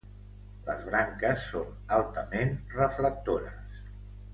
Les branques són altament reflectores.